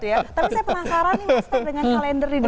tapi saya penasaran nih master dengan kalender ini